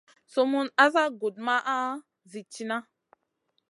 Sumun asa gudmaha zi tiyna.